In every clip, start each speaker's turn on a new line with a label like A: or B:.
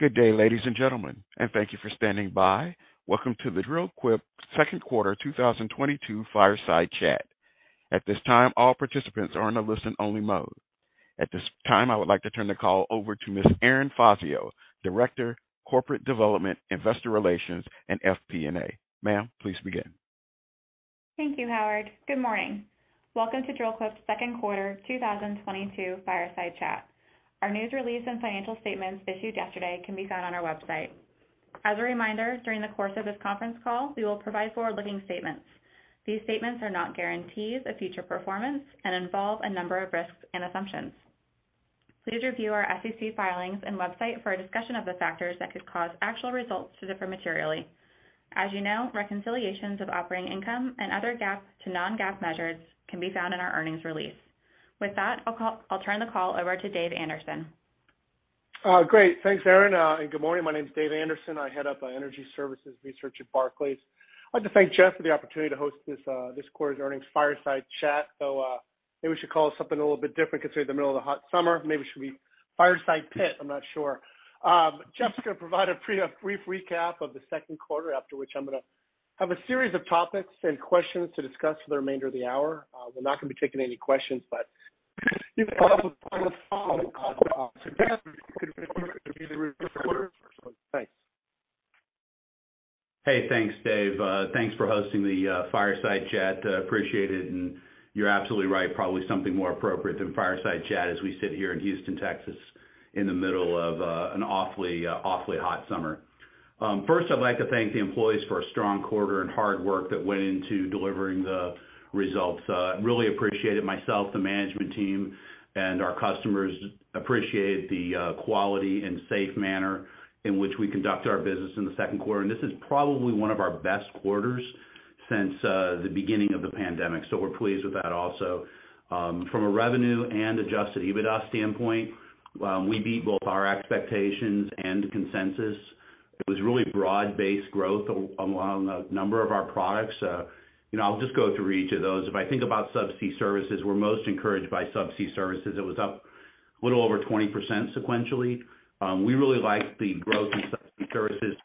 A: Good day, ladies and gentlemen, and thank you for standing by. Welcome to the Dril-Quip second quarter 2022 fireside chat. At this time, all participants are in a listen-only mode. At this time, I would like to turn the call over to Ms. Erin Fazio, Director, Corporate Development, Investor Relations and FP&A. Ma'am, please begin.
B: Thank you, Howard. Good morning. Welcome to Dril-Quip's second quarter 2022 fireside chat. Our news release and financial statements issued yesterday can be found on our website. As a reminder, during the course of this conference call, we will provide forward-looking statements. These statements are not guarantees of future performance and involve a number of risks and assumptions. Please review our SEC filings and website for a discussion of the factors that could cause actual results to differ materially. As you know, reconciliations of operating income and other GAAP to non-GAAP measures can be found in our earnings release. With that, I'll turn the call over to Dave Anderson.
C: Great. Thanks, Erin. Good morning. My name is Dave Anderson. I head up energy services research at Barclays. I'd like to thank Jeff for the opportunity to host this quarter's earnings fireside chat, though maybe we should call it something a little bit different considering the middle of the hot summer. Maybe it should be fireside pit. I'm not sure. Jeff's gonna provide a brief recap of the second quarter, after which I'm gonna have a series of topics and questions to discuss for the remainder of the hour. We're not gonna be taking any questions, but you can follow up on the phone. Jeff will provide review for the second quarter. Thanks.
D: Hey, thanks, Dave. Thanks for hosting the fireside chat. Appreciate it, and you're absolutely right, probably something more appropriate than fireside chat as we sit here in Houston, Texas in the middle of an awfully hot summer. First, I'd like to thank the employees for a strong quarter and hard work that went into delivering the results. Really appreciate it myself, the management team, and our customers appreciate the quality and safe manner in which we conduct our business in the second quarter. This is probably one of our best quarters since the beginning of the pandemic. We're pleased with that also. From a revenue and adjusted EBITDA standpoint, we beat both our expectations and consensus. It was really broad-based growth among a number of our products. You know, I'll just go through each of those. If I think about subsea services, we're most encouraged by subsea services. It was up a little over 20% sequentially. We really like the growth in subsea services,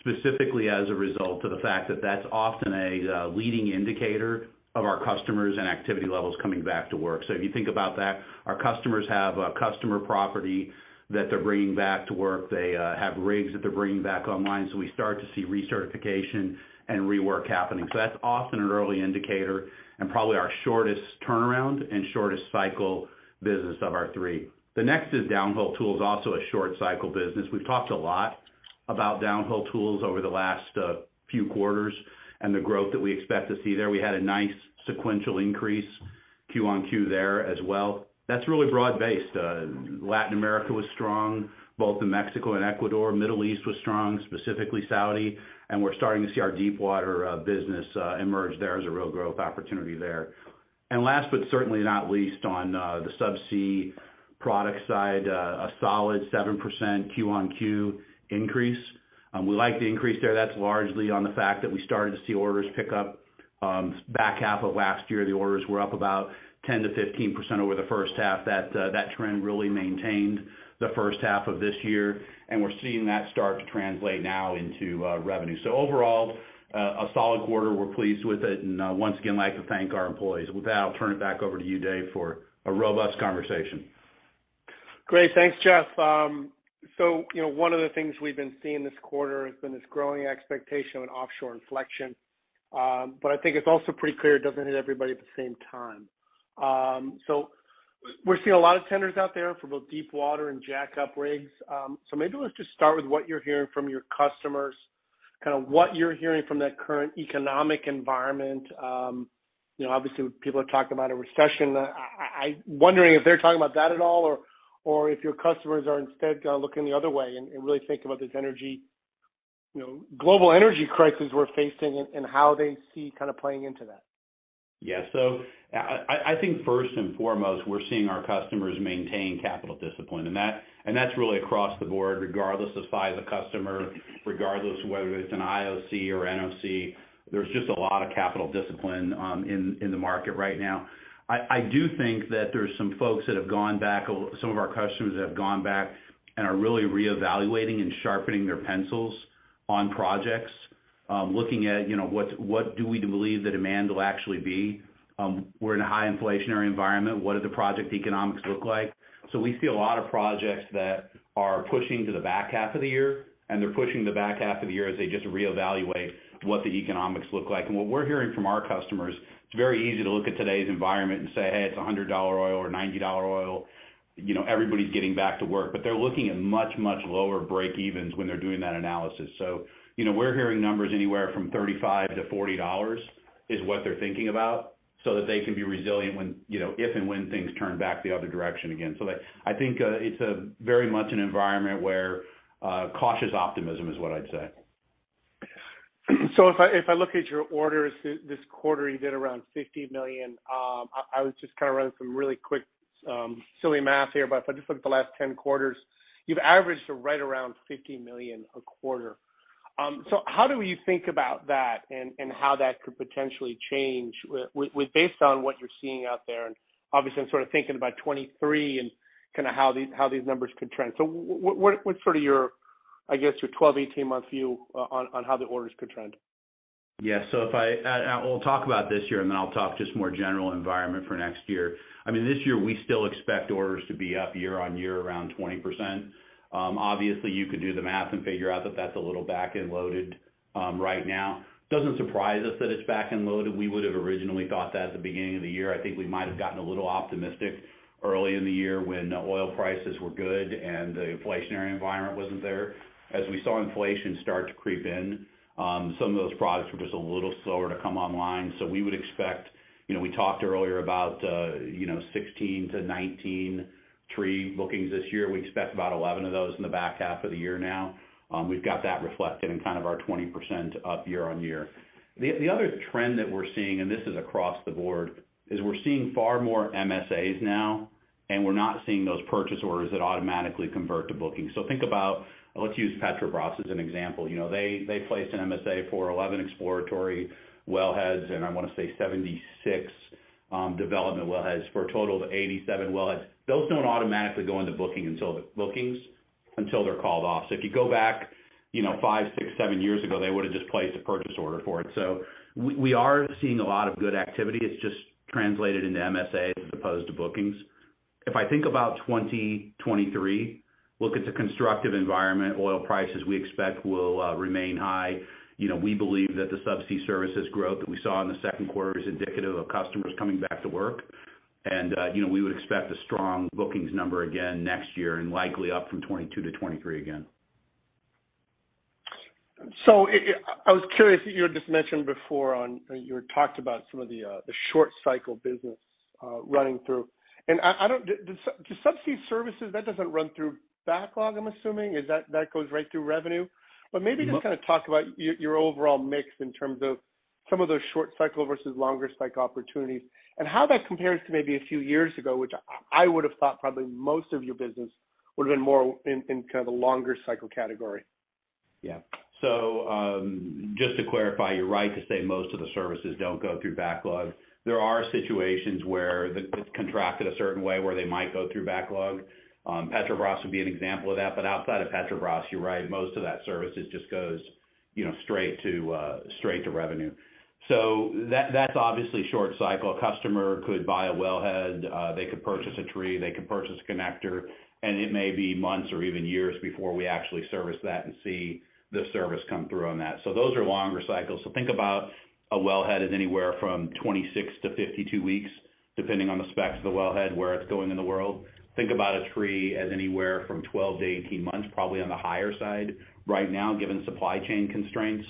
D: specifically as a result of the fact that that's often a leading indicator of our customers' activity levels coming back to work. If you think about that, our customers have a customer property that they're bringing back to work. They have rigs that they're bringing back online. We start to see recertification and rework happening. That's often an early indicator and probably our shortest turnaround and shortest cycle business of our three. The next is downhole tools, also a short cycle business. We've talked a lot about downhole tools over the last few quarters and the growth that we expect to see there. We had a nice sequential increase Q-on-Q there as well. That's really broad-based. Latin America was strong, both in Mexico and Ecuador. Middle East was strong, specifically Saudi, and we're starting to see our deep water business emerge there as a real growth opportunity there. Last but certainly not least on the subsea product side, a solid 7% Q-on-Q increase. We like the increase there. That's largely on the fact that we started to see orders pick up back half of last year. The orders were up about 10%-15% over the first half. That trend really maintained the first half of this year, and we're seeing that start to translate now into revenue. Overall, a solid quarter, we're pleased with it, and once again, like to thank our employees. With that, I'll turn it back over to you, Dave, for a robust conversation.
C: Great. Thanks, Jeff. So, you know, one of the things we've been seeing this quarter has been this growing expectation of an offshore inflection. But I think it's also pretty clear it doesn't hit everybody at the same time. So we're seeing a lot of tenders out there for both deep water and jackup rigs. So maybe let's just start with what you're hearing from your customers, kinda what you're hearing from that current economic environment. You know, obviously people are talking about a recession. I'm wondering if they're talking about that at all, or if your customers are instead looking the other way and really think about this energy, you know, global energy crisis we're facing and how they see kinda playing into that.
D: I think first and foremost, we're seeing our customers maintain capital discipline, and that's really across the board, regardless of size of customer, regardless of whether it's an IOC or NOC. There's just a lot of capital discipline in the market right now. I do think that there's some folks that have gone back or some of our customers that have gone back and are really reevaluating and sharpening their pencils on projects, looking at, you know, what do we believe the demand will actually be. We're in a high inflationary environment. What do the project economics look like? We see a lot of projects that are pushing to the back half of the year, and they're pushing the back half of the year as they just reevaluate what the economics look like. What we're hearing from our customers, it's very easy to look at today's environment and say, "Hey, it's $100 oil or $90 oil." You know, everybody's getting back to work, but they're looking at much, much lower breakevens when they're doing that analysis. You know, we're hearing numbers anywhere from $35-$40 is what they're thinking about so that they can be resilient when, you know, if and when things turn back the other direction again. I think it's very much an environment where cautious optimism is what I'd say.
C: If I look at your orders this quarter, you did around $50 million. I was just kind of running some really quick, silly math here. If I just look at the last 10 quarters, you've averaged right around $50 million a quarter. How do you think about that and how that could potentially change based on what you're seeing out there? Obviously I'm sort of thinking about 2023 and kind of how these numbers could trend. What's sort of your, I guess, your 12- to 18-month view on how the orders could trend?
D: We'll talk about this year, and then I'll talk just more general environment for next year. I mean, this year we still expect orders to be up year-over-year around 20%. Obviously, you could do the math and figure out that that's a little back-end loaded, right now. Doesn't surprise us that it's back-end loaded. We would have originally thought that at the beginning of the year. I think we might have gotten a little optimistic early in the year when oil prices were good and the inflationary environment wasn't there. As we saw inflation start to creep in, some of those products were just a little slower to come online. We would expect, you know, we talked earlier about, you know, 16-19 tree bookings this year. We expect about 11 of those in the back half of the year now. We've got that reflected in kind of our 20% up year-on-year. The other trend that we're seeing, and this is across the board, is we're seeing far more MSAs now, and we're not seeing those purchase orders that automatically convert to bookings. Think about, let's use Petrobras as an example. You know, they placed an MSA for 11 exploratory wellheads, and I want to say 76 development wellheads for a total of 87 wellheads. Those don't automatically go into bookings until they're called off. If you go back, you know, five, six, seven years ago, they would've just placed a purchase order for it. We are seeing a lot of good activity. It's just translated into MSA as opposed to bookings. If I think about 2023, look, it's a constructive environment. Oil prices we expect will remain high. You know, we believe that the subsea services growth that we saw in the second quarter is indicative of customers coming back to work. You know, we would expect a strong bookings number again next year and likely up from 2022 to 2023 again.
C: I was curious, you had just mentioned before on, you talked about some of the short cycle business, running through. I don't do subsea services, that doesn't run through backlog, I'm assuming? Does that go right through revenue? Maybe just kind of talk about your overall mix in terms of some of those short cycle versus longer cycle opportunities and how that compares to maybe a few years ago, which I would've thought probably most of your business would've been more in kind of a longer cycle category.
D: Yeah. Just to clarify, you're right to say most of the services don't go through backlog. There are situations where it's contracted a certain way where they might go through backlog. Petrobras would be an example of that, but outside of Petrobras, you're right, most of that services just goes, you know, straight to revenue. That's obviously short cycle. A customer could buy a wellhead, they could purchase a tree, they could purchase a connector, and it may be months or even years before we actually service that and see the service come through on that. Those are longer cycles. Think about a wellhead as anywhere from 26-52 weeks, depending on the specs of the wellhead, where it's going in the world. Think about a tree as anywhere from 12-18 months, probably on the higher side right now, given supply chain constraints.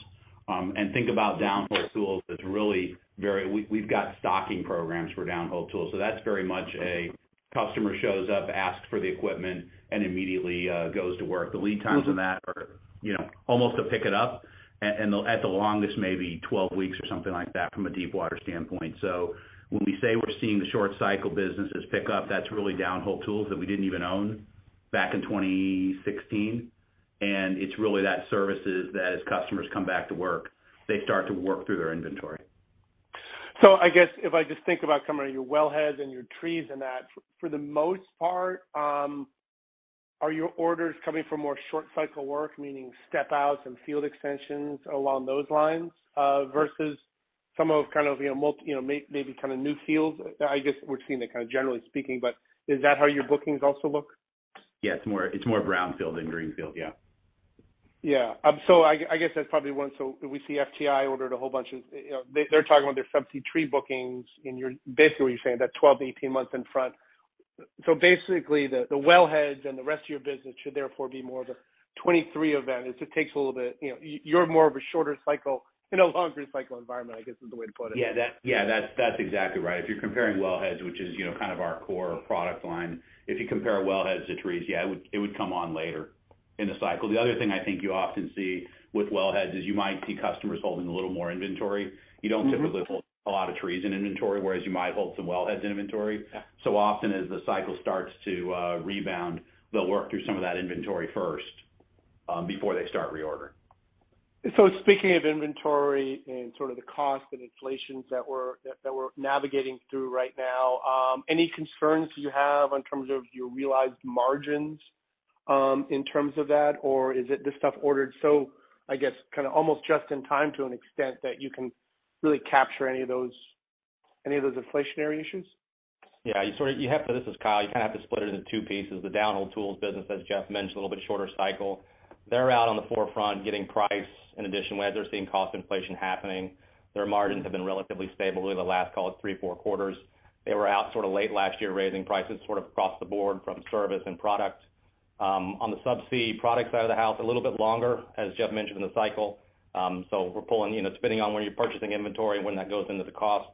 D: Think about downhole tools as really very, we've got stocking programs for downhole tools, so that's very much a customer shows up, asks for the equipment, and immediately goes to work. The lead times on that are, you know, almost a pick it up and at the longest, maybe 12 weeks or something like that from a deep water standpoint. When we say we're seeing the short cycle businesses pick up, that's really downhole tools that we didn't even own back in 2016. It's really that services that as customers come back to work, they start to work through their inventory.
C: I guess if I just think about some of your wellheads and your trees and that, for the most part, are your orders coming from more short cycle work, meaning step outs and field extensions along those lines, versus some kind of, you know, maybe kind of new fields? I guess we're seeing that kind of generally speaking, but is that how your bookings also look?
D: Yeah, it's more brownfield than greenfield. Yeah.
C: Yeah. I guess that's probably one. We see FTI ordered a whole bunch of, you know, they're talking about their subsea tree bookings and you're basically what you're saying that 12-18 months in front. Basically, the wellheads and the rest of your business should therefore be more of a 2023 event. It just takes a little bit, you know, you're more of a shorter cycle in a longer cycle environment, I guess, is the way to put it.
D: Yeah, that's exactly right. If you're comparing wellheads, which is, you know, kind of our core product line, if you compare wellheads to trees, yeah, it would come on later in the cycle. The other thing I think you often see with wellheads is you might see customers holding a little more inventory. You don't typically hold a lot of trees in inventory, whereas you might hold some wellheads in inventory. Often as the cycle starts to rebound, they'll work through some of that inventory first, before they start reordering.
C: speaking of inventory and sort of the cost and inflation that we're navigating through right now, any concerns you have in terms of your realized margins, in terms of that, or is it the stuff ordered so I guess kind of almost just in time to an extent that you can really capture any of those inflationary issues?
E: This is Kyle. You kind of have to split it into two pieces. The downhole tools business, as Jeff mentioned, a little bit shorter cycle. They're out on the forefront getting price. In addition, we either are seeing cost inflation happening. Their margins have been relatively stable over the last, call it, three, four quarters. They were out sort of late last year, raising prices sort of across the board for service and product. On the subsea product side of the house, a little bit longer, as Jeff mentioned in the cycle. So we're planning, you know, spending on when you're purchasing inventory, when that goes into the cost.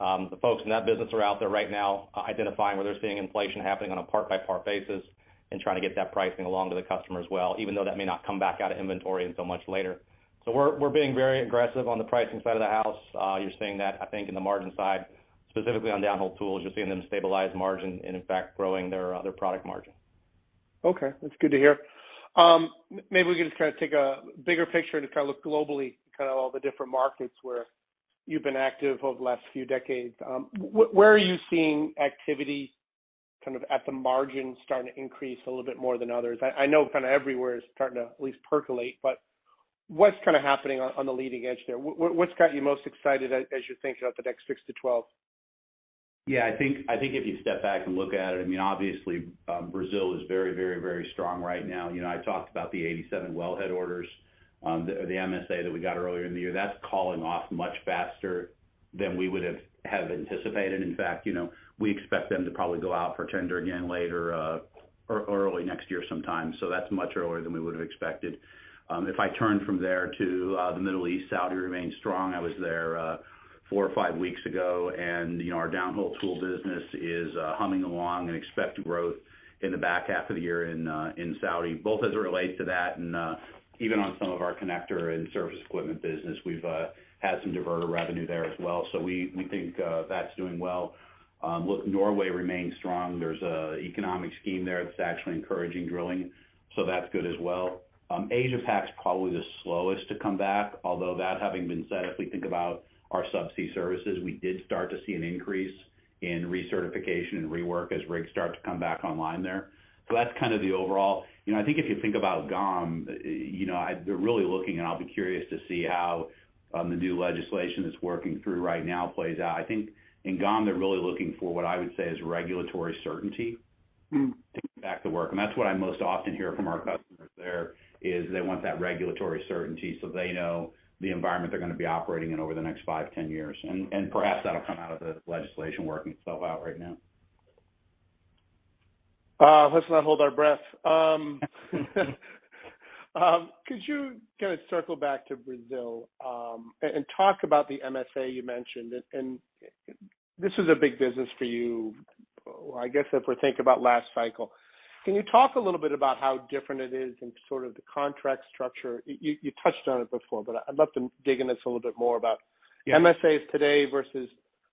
D: The folks in that business are out there right now identifying where they're seeing inflation happening on a part-by-part basis and trying to get that pricing along to the customer as well, even though that may not come back out of inventory until much later. We're being very aggressive on the pricing side of the house. You're seeing that, I think, in the margin side, specifically on downhole tools. You're seeing them stabilize margin and in fact growing their product margin.
C: Okay, that's good to hear. Maybe we can just try to take a bigger picture to try to look globally, kind of all the different markets where you've been active over the last few decades. Where are you seeing activity kind of at the margin starting to increase a little bit more than others? I know kind of everywhere is starting to at least percolate, but what's kind of happening on the leading edge there? What's got you most excited as you think about the next 6-12?
D: Yeah, I think if you step back and look at it, I mean, obviously, Brazil is very strong right now. You know, I talked about the 87 wellhead orders, the MSA that we got earlier in the year. That's calling off much faster than we would have anticipated. In fact, you know, we expect them to probably go out for tender again later, early next year sometime. That's much earlier than we would've expected. If I turn from there to the Middle East, Saudi remains strong. I was there four or five weeks ago, and you know, our downhole tool business is humming along and expect growth in the back half of the year in Saudi, both as it relates to that and even on some of our connector and service equipment business. We've had some diverter revenue there as well. So we think that's doing well. Look, Norway remains strong. There's a economic scheme there that's actually encouraging drilling, so that's good as well. Asia-Pac's probably the slowest to come back, although that having been said, if we think about our subsea services, we did start to see an increase in recertification and rework as rigs start to come back online there. So that's kind of the overall. You know, I think if you think about GOM, you know, they're really looking, and I'll be curious to see how the new legislation that's working through right now plays out. I think in GOM, they're really looking for what I would say is regulatory certainty.
C: Mm.
D: to get back to work. That's what I most often hear from our customers there, is they want that regulatory certainty so they know the environment they're gonna be operating in over the next 5, 10 years. Perhaps that'll come out of the legislation working itself out right now.
C: Let's not hold our breath. Could you kind of circle back to Brazil and talk about the MSA you mentioned? This is a big business for you, I guess, if we think about last cycle. Can you talk a little bit about how different it is in sort of the contract structure? You touched on it before, but I'd love to dig in this a little bit more about-
D: Yeah.
C: MSAs today versus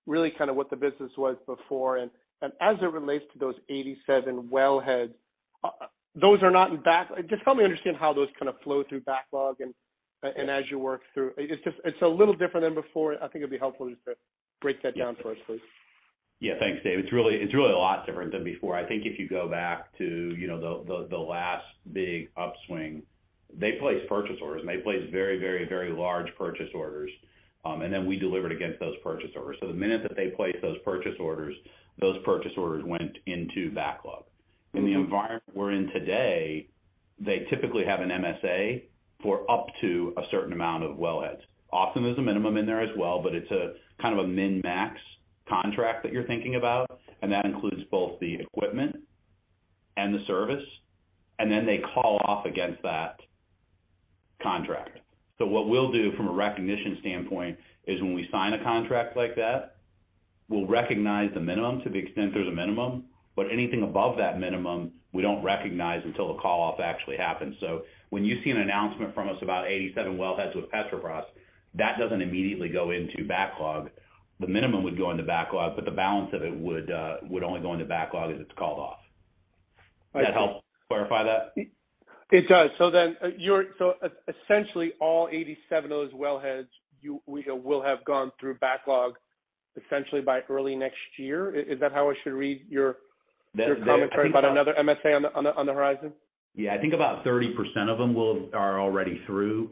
C: really kind of what the business was before. As it relates to those 87 wellheads, those are not in backlog. Just help me understand how those kind of flow through backlog and as you work through. It's just, it's a little different than before. I think it'd be helpful just to break that down for us, please.
D: Yeah. Thanks, Dave. It's really a lot different than before. I think if you go back to, you know, the last big upswing, they placed purchase orders, and they placed very large purchase orders. Then we delivered against those purchase orders. The minute that they placed those purchase orders, those purchase orders went into backlog.
C: Mm-hmm.
D: In the environment we're in today, they typically have an MSA for up to a certain amount of wellheads. Often, there's a minimum in there as well, but it's a kind of a min-max contract that you're thinking about, and that includes both the equipment and the service, and then they call off against that contract. What we'll do from a recognition standpoint is when we sign a contract like that, we'll recognize the minimum to the extent there's a minimum, but anything above that minimum, we don't recognize until the call off actually happens. When you see an announcement from us about 87 wellheads with Petrobras, that doesn't immediately go into backlog. The minimum would go into backlog, but the balance of it would only go into backlog as it's called off.
C: I see.
D: Does that help clarify that?
C: It does. Essentially all 87 of those wellheads will have gone through backlog essentially by early next year. Is that how I should read your commentary?
D: That I think.
C: about another MSA on the horizon?
D: Yeah. I think about 30% of them are already through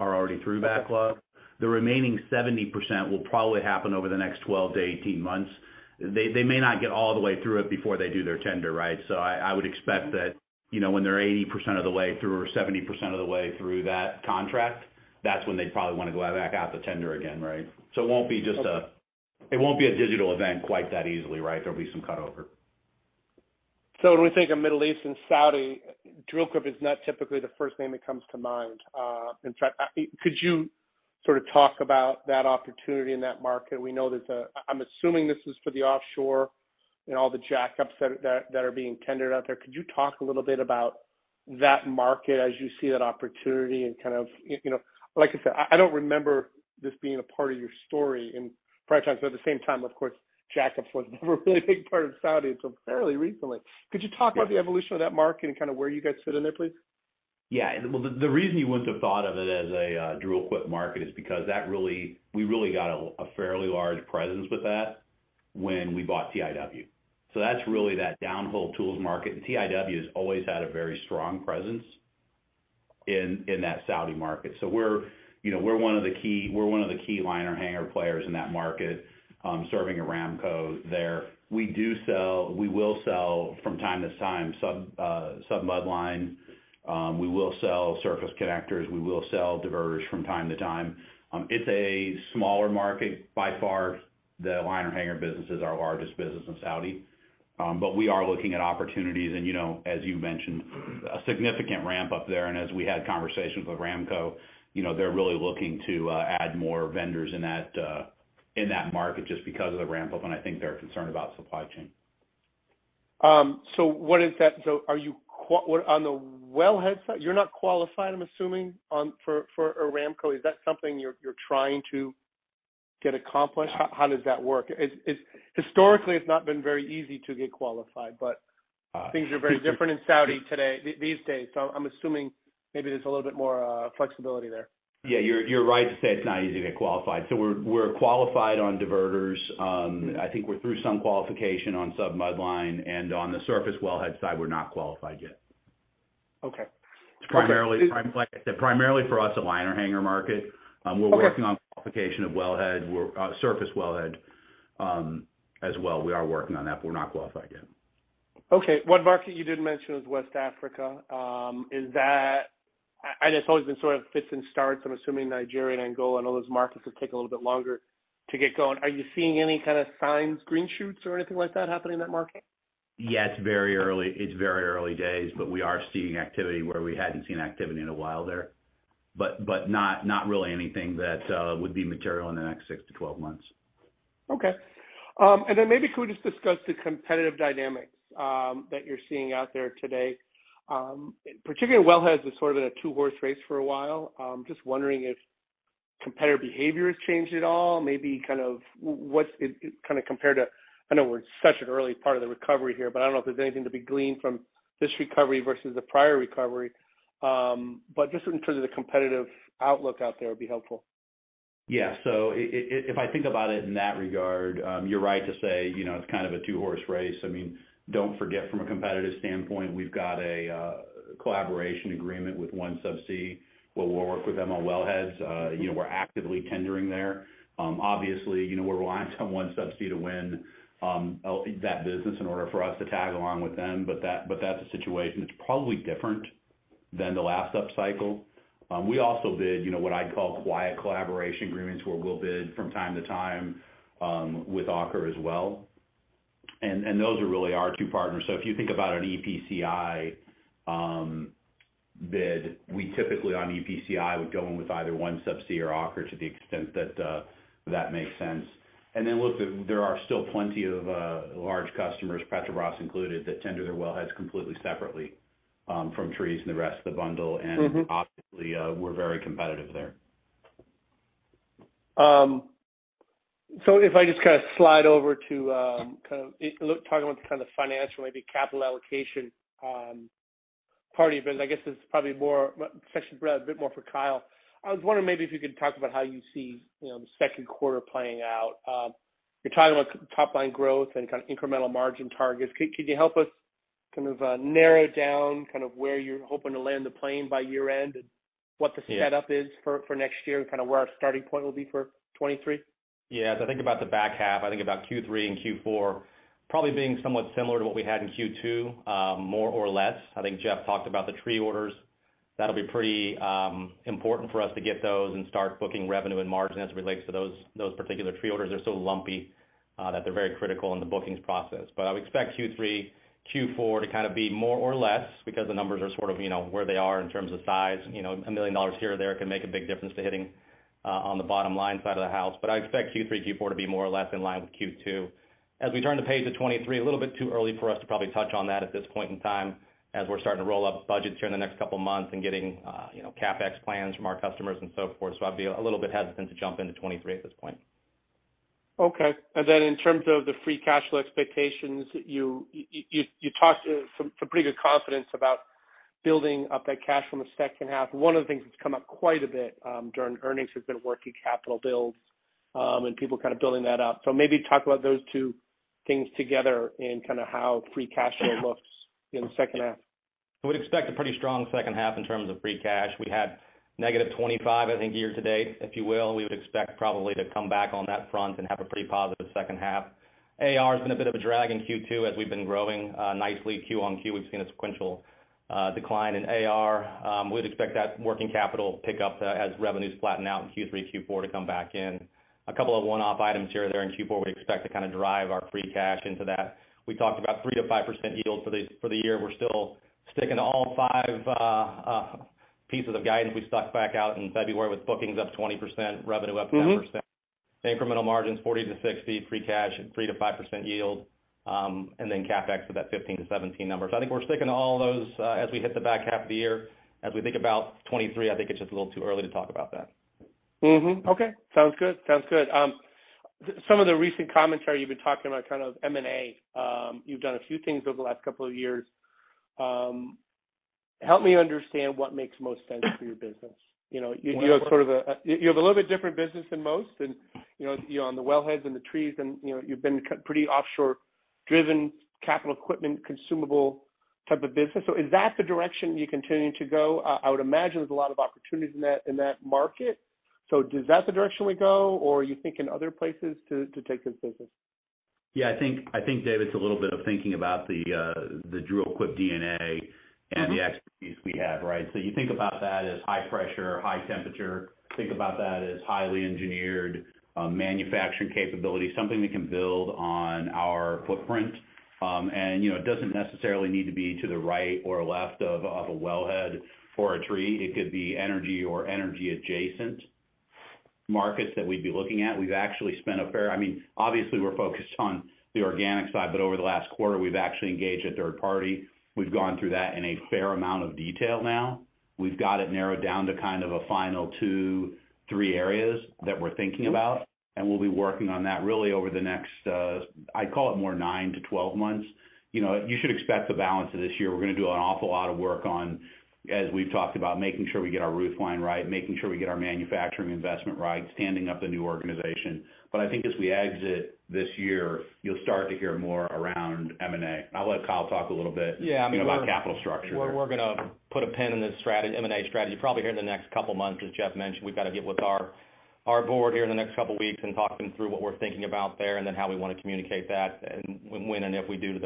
D: backlog.
C: Okay.
D: The remaining 70% will probably happen over the next 12-18 months. They may not get all the way through it before they do their tender, right? I would expect that, you know, when they're 80% of the way through or 70% of the way through that contract, that's when they probably wanna go back out to tender again, right? It won't be a digital event quite that easily, right? There'll be some cutover.
C: When we think of Middle East and Saudi, Dril-Quip is not typically the first name that comes to mind. In fact, could you sort of talk about that opportunity in that market? We know that, I'm assuming this is for the offshore and all the jackups that are being tendered out there. Could you talk a little bit about that market as you see that opportunity and kind of, you know. Like I said, I don't remember this being a part of your story in prior times, but at the same time, of course, jackups was never a really big part of Saudi until fairly recently. Could you talk about the evolution of that market and kind of where you guys fit in there, please?
D: Yeah. Well, the reason you wouldn't have thought of it as a Dril-Quip market is because we really got a fairly large presence with that when we bought TIW. That's really that downhole tools market. TIW has always had a very strong presence in that Saudi market. We're, you know, one of the key liner hanger players in that market, serving Saudi Aramco there. We will sell from time to time sub-mudline. We will sell surface connectors. We will sell diverters from time to time. It's a smaller market. By far, the liner hanger business is our largest business in Saudi. We are looking at opportunities and, you know, as you mentioned, a significant ramp up there. As we had conversations with Aramco, you know, they're really looking to add more vendors in that, in that market just because of the ramp up, and I think they're concerned about supply chain.
C: What is that? Are you qualified, what, on the wellhead side, you're not qualified, I'm assuming on for Aramco. Is that something you're trying to get accomplished. How does that work? It's historically not been very easy to get qualified, but.
D: Ah.
C: Things are very different in Saudi today these days. I'm assuming maybe there's a little bit more flexibility there.
D: Yeah. You're right to say it's not easy to get qualified. We're qualified on diverters. I think we're through some qualification on sub-mudline, and on the surface wellhead side, we're not qualified yet.
C: Okay.
D: It's primarily for us, a liner hanger market. We're working-
C: Okay.
D: On qualification of wellhead. We're surface wellhead, as well. We are working on that, but we're not qualified yet.
C: Okay. One market you didn't mention is West Africa. Is that, and it's always been sort of fits and starts. I'm assuming Nigeria and Angola and all those markets will take a little bit longer to get going. Are you seeing any kind of signs, green shoots or anything like that happening in that market?
D: Yeah, it's very early. It's very early days, but we are seeing activity where we hadn't seen activity in a while there. Not really anything that would be material in the next 6-12 months.
C: Okay. Maybe could we just discuss the competitive dynamics that you're seeing out there today. Particularly wellhead is sort of a two-horse race for a while. Just wondering if competitor behavior has changed at all. Maybe kind of what's it compared to. I know we're such an early part of the recovery here, but I don't know if there's anything to be gleaned from this recovery versus the prior recovery. Just in terms of the competitive outlook out there would be helpful.
D: Yeah. If I think about it in that regard, you're right to say, you know, it's kind of a two-horse race. I mean, don't forget, from a competitive standpoint, we've got a collaboration agreement with OneSubsea, where we'll work with them on wellheads. You know, we're actively tendering there. Obviously, you know, we're relying on OneSubsea to win that business in order for us to tag along with them, but that's a situation that's probably different than the last upcycle. We also bid, you know, what I'd call quiet collaboration agreements, where we'll bid from time to time with Aker as well. Those are really our two partners. If you think about an EPCI bid, we typically, on EPCI, would go in with either OneSubsea or Aker to the extent that that makes sense. Then look, there are still plenty of large customers, Petrobras included, that tender their wellheads completely separately from trees and the rest of the bundle.
C: Mm-hmm.
D: Obviously, we're very competitive there.
C: If I just kind of slide over to kind of looking, talking about the kind of financial, maybe capital allocation part of it, I guess it's probably more of a question, a bit more for Kyle. I was wondering maybe if you could talk about how you see, you know, the second quarter playing out. You're talking about top line growth and kind of incremental margin targets. Could you help us kind of narrow down kind of where you're hoping to land the plane by year end and what the setup is?
D: Yeah.
C: for next year and kind of where our starting point will be for 2023?
E: Yeah. As I think about the back half, I think about Q3 and Q4 probably being somewhat similar to what we had in Q2, more or less. I think Jeff talked about the tree orders. That'll be pretty important for us to get those and start booking revenue and margin as it relates to those particular tree orders. They're so lumpy that they're very critical in the bookings process. I would expect Q3, Q4 to kind of be more or less because the numbers are sort of, you know, where they are in terms of size. You know, $1 million here or there can make a big difference to hitting on the bottom line side of the house. I expect Q3, Q4 to be more or less in line with Q2.
D: As we turn the page to 2023, a little bit too early for us to probably touch on that at this point in time, as we're starting to roll up budgets here in the next couple of months and getting, you know, CapEx plans from our customers and so forth. I'd be a little bit hesitant to jump into 2023 at this point.
C: Okay. Then in terms of the free cash flow expectations, you talked some pretty good confidence about building up that cash from the second half. One of the things that's come up quite a bit during earnings has been working capital builds, and people kind of building that up. Maybe talk about those two things together and kind of how free cash flow looks in the second half.
D: We'd expect a pretty strong second half in terms of free cash. We had negative 25, I think, year to date, if you will. We would expect probably to come back on that front and have a pretty positive second half. AR has been a bit of a drag in Q2 as we've been growing nicely Q on Q. We've seen a sequential decline in AR. We'd expect that working capital to pick up as revenues flatten out in Q3, Q4 to come back in. A couple of one-off items here or there in Q4 we expect to kind of drive our free cash into that. We talked about 3%-5% yield for the year. We're still sticking to all five pieces of guidance we stuck back out in February with bookings up 20%, revenue up 10%.
C: Mm-hmm.
D: Incremental margins 40%-60%, free cash at 3%-5% yield, and then CapEx at that 15-17 numbers. I think we're sticking to all those, as we hit the back half of the year. As we think about 2023, I think it's just a little too early to talk about that.
C: Okay. Sounds good. Some of the recent commentary you've been talking about kind of M&A, you've done a few things over the last couple of years. Help me understand what makes most sense for your business. You know, you have a little bit different business than most and, you know, on the well heads and the trees and, you know, you've been pretty offshore driven capital equipment, consumable type of business. Is that the direction you continue to go? I would imagine there's a lot of opportunities in that market. Is that the direction we go or are you thinking other places to take this business?
D: Yeah, I think, Dave, it's a little bit of thinking about the Dril-Quip DNA and the expertise we have, right? You think about that as high pressure, high temperature. Think about that as highly engineered manufacturing capability, something we can build on our footprint. You know, it doesn't necessarily need to be to the right or left of a wellhead or a tree. It could be energy or energy adjacent. Markets that we'd be looking at, I mean, obviously, we're focused on the organic side, but over the last quarter, we've actually engaged a third party. We've gone through that in a fair amount of detail now. We've got it narrowed down to kind of a final two to three areas that we're thinking about, and we'll be working on that really over the next, I'd call it more nine to 12 months. You know, you should expect the balance of this year, we're gonna do an awful lot of work on, as we've talked about, making sure we get our roofline right, making sure we get our manufacturing investment right, standing up the new organization. I think as we exit this year, you'll start to hear more around M&A. I'll let Kyle talk a little bit.
E: Yeah, I mean.
D: You know, about capital structure.
E: We're gonna put a pin in this strategy, M&A strategy, probably here in the next couple months. As Jeff mentioned, we've got to get with our board here in the next couple weeks and talk them through what we're thinking about there and then how we wanna communicate that and when and if we do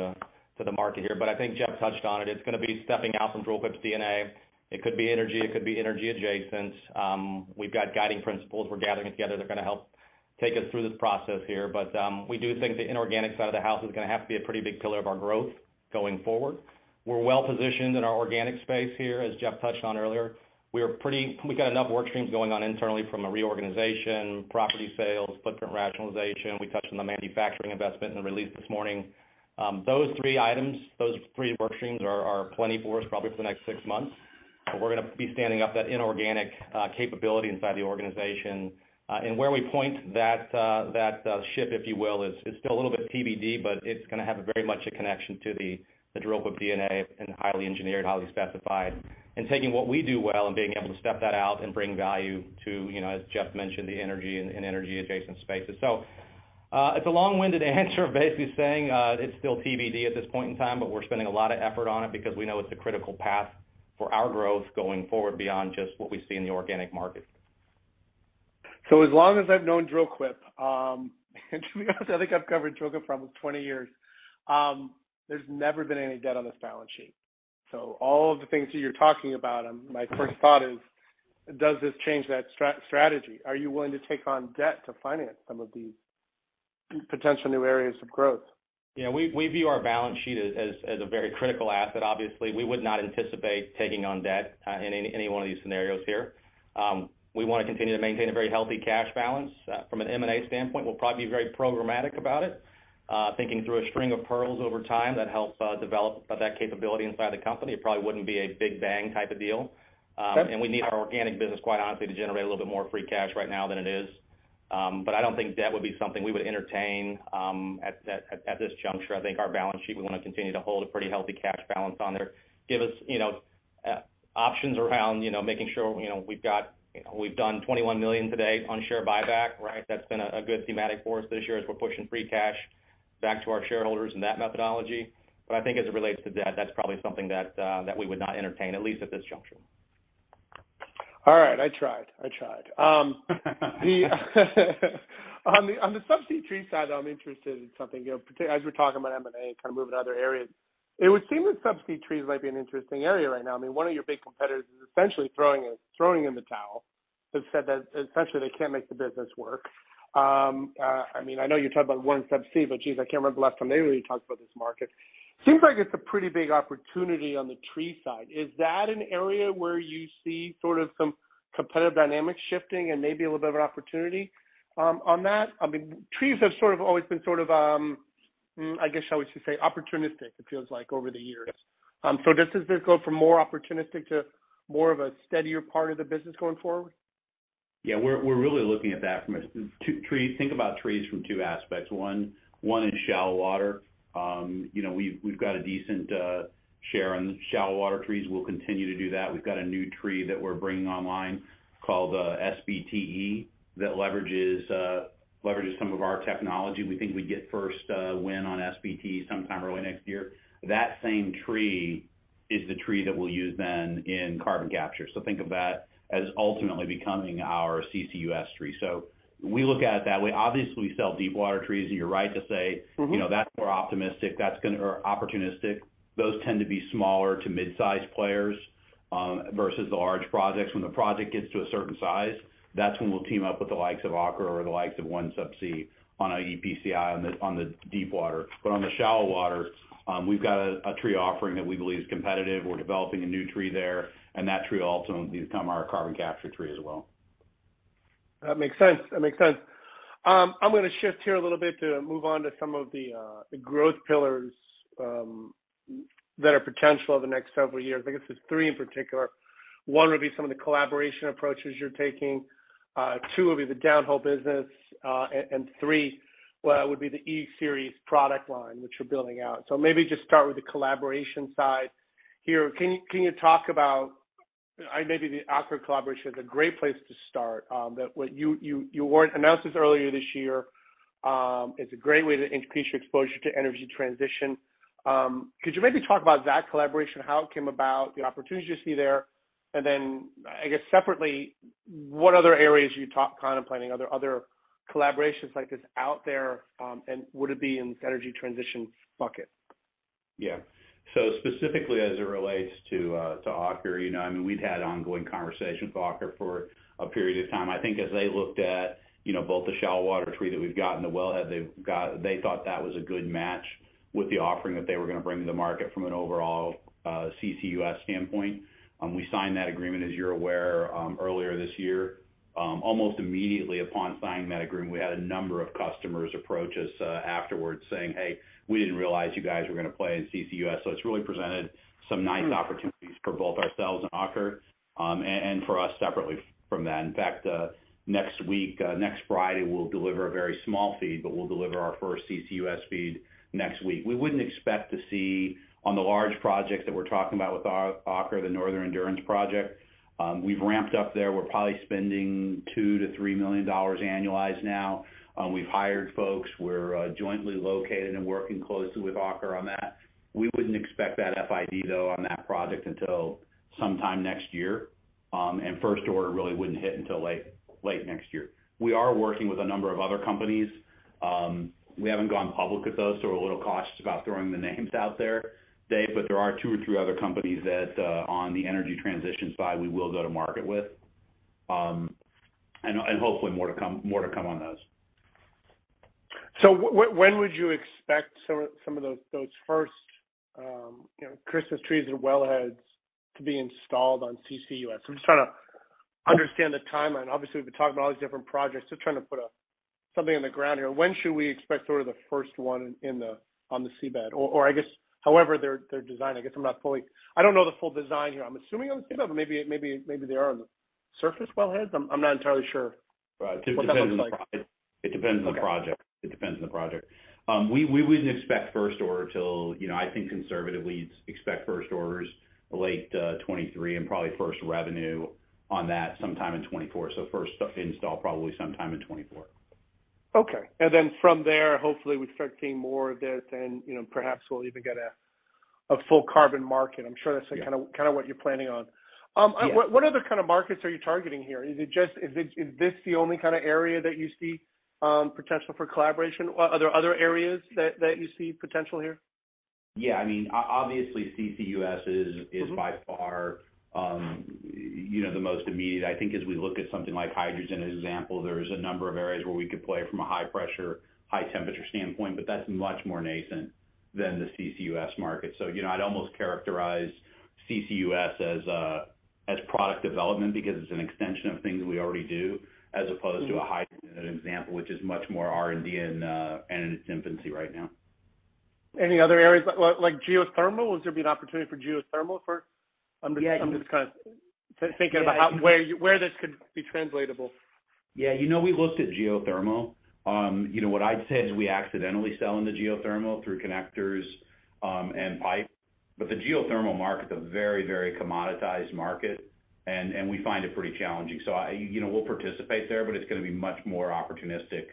E: to the market here. I think Jeff touched on it. It's gonna be stepping out from Dril-Quip's DNA. It could be energy, it could be energy adjacent. We've got guiding principles we're gathering together that are gonna help take us through this process here. We do think the inorganic side of the house is gonna have to be a pretty big pillar of our growth going forward. We're well positioned in our organic space here, as Jeff touched on earlier. We've got enough work streams going on internally from a reorganization, property sales, footprint rationalization. We touched on the manufacturing investment in the release this morning. Those three items, those three work streams are plenty for us probably for the next six months. We're gonna be standing up that inorganic capability inside the organization. Where we point that ship, if you will, is still a little bit TBD, but it's gonna have very much a connection to the Dril-Quip DNA and highly engineered, highly specified. Taking what we do well and being able to step that out and bring value to, you know, as Jeff mentioned, the energy and energy adjacent spaces. It's a long-winded answer basically saying, it's still TBD at this point in time, but we're spending a lot of effort on it because we know it's a critical path for our growth going forward beyond just what we see in the organic market.
C: As long as I've known Dril-Quip, and to be honest, I think I've covered Dril-Quip for almost 20 years, there's never been any debt on this balance sheet. All of the things that you're talking about, my first thought is, does this change that strategy? Are you willing to take on debt to finance some of these potential new areas of growth?
E: Yeah. We view our balance sheet as a very critical asset. Obviously, we would not anticipate taking on debt in any one of these scenarios here. We wanna continue to maintain a very healthy cash balance. From an M&A standpoint, we'll probably be very programmatic about it, thinking through a string of pearls over time that help develop that capability inside the company. It probably wouldn't be a big bang type of deal. We need our organic business, quite honestly, to generate a little bit more free cash right now than it is. I don't think debt would be something we would entertain at this juncture. I think our balance sheet, we wanna continue to hold a pretty healthy cash balance on there. Give us, you know, options around, you know, making sure, you know, we've done $21 million today on share buyback, right? That's been a good thematic for us this year as we're pushing free cash back to our shareholders in that methodology. I think as it relates to debt, that's probably something that we would not entertain, at least at this juncture.
C: All right. I tried. On the subsea tree side, I'm interested in something, you know, as we're talking about M&A, kind of moving to other areas. It would seem that subsea trees might be an interesting area right now. I mean, one of your big competitors is essentially throwing in the towel. They've said that essentially they can't make the business work. I mean, I know you talked about OneSubsea, but geez, I can't remember the last time they really talked about this market. Seems like it's a pretty big opportunity on the tree side. Is that an area where you see sort of some competitive dynamics shifting and maybe a little bit of an opportunity on that? I mean, trees have sort of always been sort of, I guess, how should we say, opportunistic. It feels like over the years. Does this go from more opportunistic to more of a steadier part of the business going forward?
D: Yeah. We're really looking at that. Think about trees from two aspects. One is shallow water. You know, we've got a decent share in shallow water trees. We'll continue to do that. We've got a new tree that we're bringing online called SBTe that leverages some of our technology. We think we get first win on SBTe sometime early next year. That same tree is the tree that we'll use then in carbon capture. Think of that as ultimately becoming our CCUS tree. We look at it that way. Obviously, we sell deep water trees, and you're right to say.
C: Mm-hmm
D: You know, that's more optimistic, or opportunistic. Those tend to be smaller to mid-size players versus the large projects. When the project gets to a certain size, that's when we'll team up with the likes of Aker or the likes of OneSubsea on our EPCI on the deep water. But on the shallow water, we've got a tree offering that we believe is competitive. We're developing a new tree there, and that tree will ultimately become our carbon capture tree as well.
C: That makes sense. I'm gonna shift here a little bit to move on to some of the growth pillars that are potential over the next several years. I think it's the three in particular. One would be some of the collaboration approaches you're taking. Two would be the downhole business. And three, well, would be the e-Series product line, which you're building out. Maybe just start with the collaboration side here. Can you talk about maybe the Aker collaboration is a great place to start, that you announced this earlier this year. It's a great way to increase your exposure to energy transition. Could you maybe talk about that collaboration, how it came about, the opportunities you see there? Then, I guess separately, what other areas are you contemplating? Are there other collaborations like this out there? Would it be in energy transition bucket?
D: Yeah. Specifically as it relates to Aker, you know, I mean, we've had ongoing conversations with Aker for a period of time. I think as they looked at, you know, both the shallow water tree that we've got and the wellhead they've got, they thought that was a good match with the offering that they were gonna bring to the market from an overall CCUS standpoint. We signed that agreement, as you're aware, earlier this year. Almost immediately upon signing that agreement, we had a number of customers approach us afterwards saying, "Hey, we didn't realize you guys were gonna play in CCUS." It's really presented some nice opportunities for both ourselves and Aker, and for us separately from that. In fact, next week, next Friday, we'll deliver a very small FEED, but we'll deliver our first CCUS FEED next week. We wouldn't expect to see on the large projects that we're talking about with our Aker, the Northern Endurance project. We've ramped up there. We're probably spending $2-$3 million annualized now. We've hired folks. We're jointly located and working closely with Aker on that. We wouldn't expect that FID though on that project until sometime next year. First order really wouldn't hit until late next year. We are working with a number of other companies. We haven't gone public with those, so we're a little cautious about throwing the names out there, Dave, but there are two or three other companies that, on the energy transition side, we will go to market with. Hopefully more to come on those.
C: When would you expect some of those first Christmas trees or wellheads to be installed on CCUS? I'm just trying to understand the timeline. Obviously, we've been talking about all these different projects. Just trying to put something on the ground here. When should we expect sort of the first one on the seabed? Or I guess however they're designed, I guess I don't know the full design here. I'm assuming on the seabed, but maybe they are on the surface wellheads. I'm not entirely sure what that looks like.
D: Right. It depends on the project.
C: Okay.
D: It depends on the project. We wouldn't expect first order till, you know, I think conservatively expect first orders late 2023, and probably first revenue on that sometime in 2024. First install probably sometime in 2024.
C: Okay. From there, hopefully we start seeing more of this and, you know, perhaps we'll even get a full carbon market. I'm sure that's kind of.
D: Yeah.
C: kind of what you're planning on.
D: Yeah.
C: What other kind of markets are you targeting here? Is this the only kind of area that you see potential for collaboration? Are there other areas that you see potential here?
D: I mean, obviously CCUS is.
C: Mm-hmm.
D: This is by far, you know, the most immediate. I think as we look at something like hydrogen, as an example, there's a number of areas where we could play from a high pressure, high temperature standpoint, but that's much more nascent than the CCUS market. I'd almost characterize CCUS as product development because it's an extension of things we already do, as opposed to a hydrogen, as an example, which is much more R&D and in its infancy right now.
C: Any other areas, like geothermal? Will there be an opportunity for geothermal?
D: Yeah.
C: I'm just kind of thinking about where this could be translatable.
D: Yeah. You know, we looked at geothermal. You know what I'd say is we accidentally sell into geothermal through connectors, and pipe, but the geothermal market's a very, very commoditized market, and we find it pretty challenging. I, you know, we'll participate there, but it's gonna be much more opportunistic,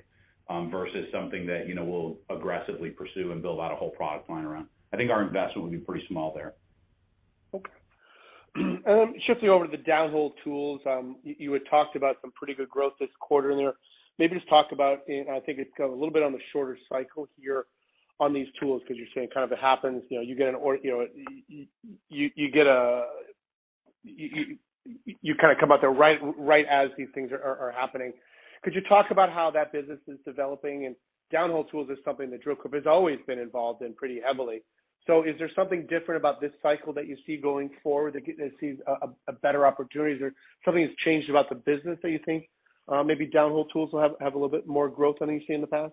D: versus something that, you know, we'll aggressively pursue and build out a whole product line around. I think our investment will be pretty small there.
C: Okay. Then shifting over to the downhole tools, you had talked about some pretty good growth this quarter in there. Maybe just talk about. I think it's a little bit on the shorter cycle here on these tools because you're saying kind of it happens, you know, you kinda come out there right as these things are happening. Could you talk about how that business is developing? downhole tools is something that Dril-Quip has always been involved in pretty heavily. Is there something different about this cycle that you see going forward that gives us a better opportunity? Is there something that's changed about the business that you think, maybe downhole tools will have a little bit more growth than you've seen in the past?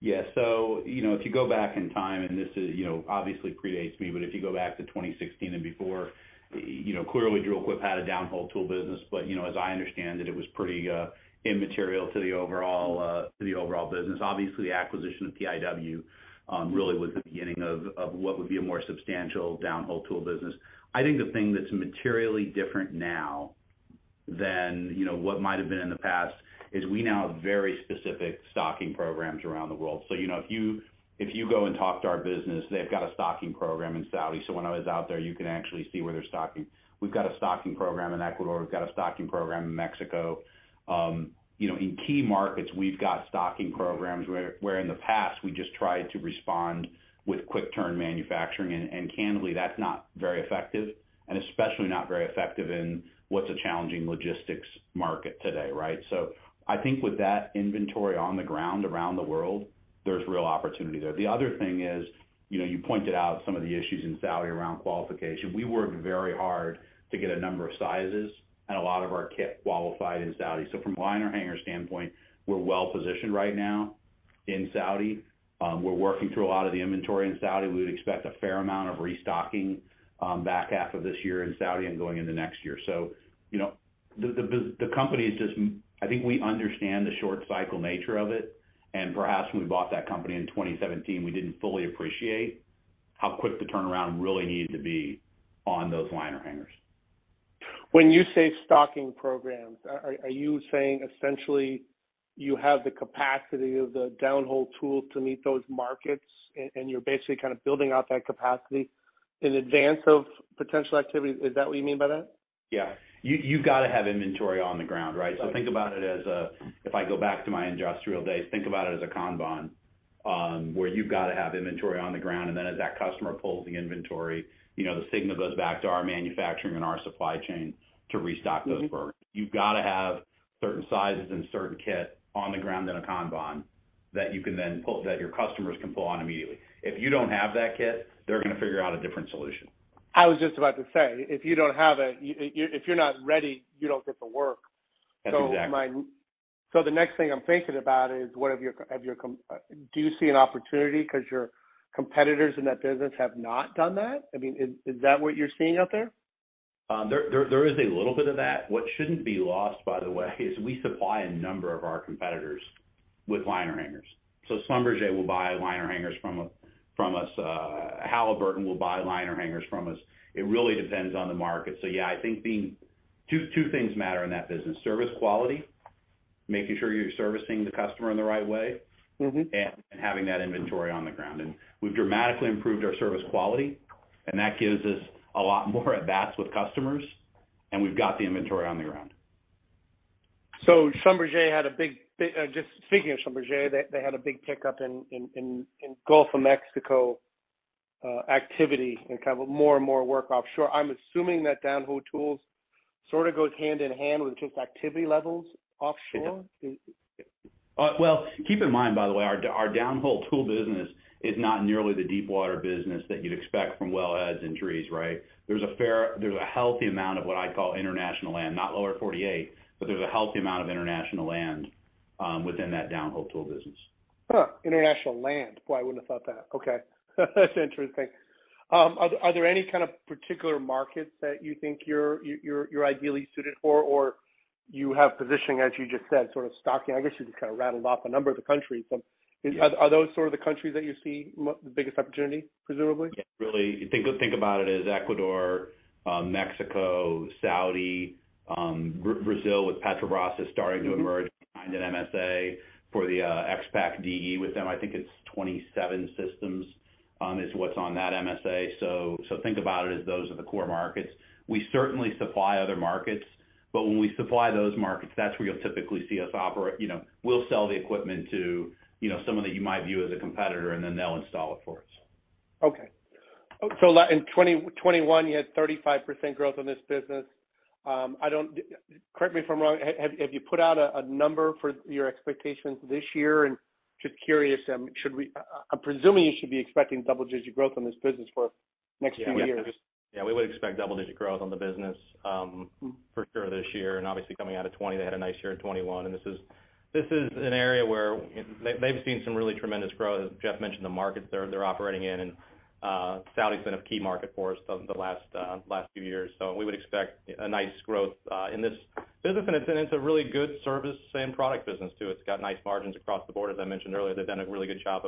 D: Yeah. You know, if you go back in time, and this is, you know, obviously predates me, but if you go back to 2016 and before, you know, clearly Dril-Quip had a downhole tool business. You know, as I understand it was pretty immaterial to the overall business. Obviously, the acquisition of TIW really was the beginning of what would be a more substantial downhole tool business. I think the thing that's materially different now than, you know, what might have been in the past is we now have very specific stocking programs around the world. You know, if you go and talk to our business, they've got a stocking program in Saudi. When I was out there, you can actually see where they're stocking. We've got a stocking program in Ecuador. We've got a stocking program in Mexico. You know, in key markets, we've got stocking programs where in the past, we just tried to respond with quick turn manufacturing, and candidly, that's not very effective, and especially not very effective in what's a challenging logistics market today, right? I think with that inventory on the ground around the world, there's real opportunity there. The other thing is, you know, you pointed out some of the issues in Saudi around qualification. We worked very hard to get a number of sizes and a lot of our kit qualified in Saudi. From a liner hanger standpoint, we're well positioned right now in Saudi. We're working through a lot of the inventory in Saudi. We would expect a fair amount of restocking, back half of this year in Saudi and going into next year. You know, the company. I think we understand the short cycle nature of it, and perhaps when we bought that company in 2017, we didn't fully appreciate how quick the turnaround really needed to be on those liner hangers.
C: When you say stocking programs, are you saying essentially you have the capacity of the downhole tool to meet those markets and you're basically kind of building out that capacity in advance of potential activity? Is that what you mean by that?
D: Yeah. You've gotta have inventory on the ground, right?
C: Yeah.
D: think about it as a Kanban, where you've gotta have inventory on the ground, and then as that customer pulls the inventory, you know, the signal goes back to our manufacturing and our supply chain to restock those for. You've gotta have certain sizes and certain kit on the ground in a Kanban that your customers can pull on immediately. If you don't have that kit, they're gonna figure out a different solution.
C: I was just about to say, if you're not ready, you don't get the work.
D: That's exact.
C: The next thing I'm thinking about is, do you see an opportunity 'cause your competitors in that business have not done that? I mean, is that what you're seeing out there?
D: There is a little bit of that. What shouldn't be lost, by the way, is we supply a number of our competitors with liner hangers. Schlumberger will buy liner hangers from us. Halliburton will buy liner hangers from us. It really depends on the market. Yeah, I think Two things matter in that business, service quality, making sure you're servicing the customer in the right way.
C: Mm-hmm
D: Having that inventory on the ground. We've dramatically improved our service quality, and that gives us a lot more at bats with customers, and we've got the inventory on the ground.
C: Just speaking of Schlumberger, they had a big pickup in Gulf of Mexico activity and kind of more and more work offshore. I'm assuming that downhole tools sort of goes hand in hand with just activity levels offshore.
D: It does. Well, keep in mind, by the way, our downhole tool business is not nearly the deepwater business that you'd expect from wellheads and trees, right? There's a healthy amount of what I call international land, not Lower forty-eight, within that downhole tool business.
C: Huh, international land. Boy, I wouldn't have thought that. Okay. That's interesting. Are there any kind of particular markets that you think you're ideally suited for or you have positioning, as you just said, sort of stocking? I guess you just kind of rattled off a number of the countries, but are those sort of the countries that you see the biggest opportunity, presumably?
D: Yeah, really if you think about it as Ecuador, Mexico, Saudi, Brazil with Petrobras is starting to emerge.
C: Mm-hmm
D: Behind an MSA for the XPAK-De with them. I think it's 27 systems is what's on that MSA. Think about it as those are the core markets. We certainly supply other markets, but when we supply those markets, that's where you'll typically see us operate. You know, we'll sell the equipment to, you know, someone that you might view as a competitor, and then they'll install it for us.
C: Okay. In 2021, you had 35% growth on this business. I don't. Correct me if I'm wrong. Have you put out a number for your expectations this year? Just curious, should we, I'm presuming you should be expecting double-digit growth on this business for next few years.
E: I mean, we would expect double-digit growth on the business for sure this year, and obviously coming out of 2020, they had a nice year in 2021, and this is an area where they've seen some really tremendous growth, as Jeff mentioned, the markets they're operating in. Saudi's been a key market for us the last few years. We would expect a nice growth in this business. It's a really good service and product business, too. It's got nice margins across the board. As I mentioned earlier, they've done a really good job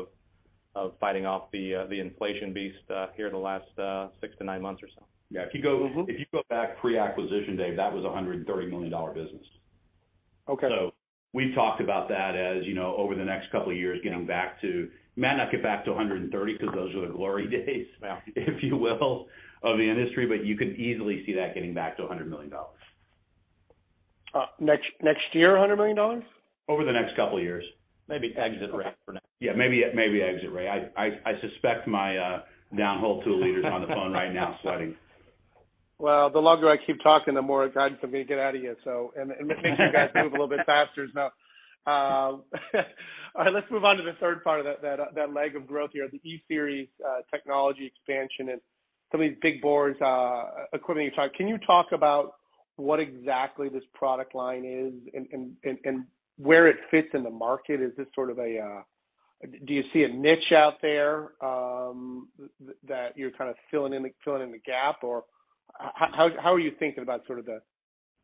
E: of fighting off the inflation beast here the last 6-9 months or so.
C: Mm-hmm
D: If you go back pre-acquisition day, that was a $130 million business.
C: Okay.
D: We've talked about that, as you know, over the next couple of years, getting back to 130. Might not get back to 130, 'cause those are the glory days.
C: Yeah
D: If you will, of the industry, but you could easily see that getting back to $100 million.
C: Next year, $100 million?
D: Over the next couple years.
C: Maybe exit rate for now.
D: Yeah, maybe exit rate. I suspect my downhole tool leaders on the phone right now sweating.
C: Well, the longer I keep talking, the more guidance I'm gonna get out of you. It makes you guys move a little bit faster as well. All right, let's move on to the third part of that leg of growth here, the e-Series technology expansion and some of these big bores equipment. Can you talk about what exactly this product line is and where it fits in the market? Is this sort of a. Do you see a niche out there that you're kind of filling in the gap? Or how are you thinking about sort of the